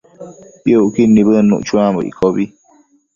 Piucquid nibëdnuc chuambo iccobi